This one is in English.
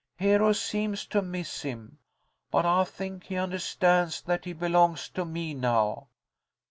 Hero seems to miss him, but I think he understands that he belongs to me now.